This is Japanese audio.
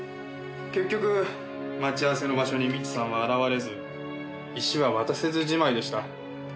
結局待ち合わせの場所に未知さんは現れず石は渡せずじまいでした。